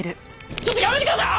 ちょっとやめてください！